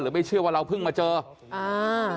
เพื่อนบ้านเจ้าหน้าที่อำรวจกู้ภัย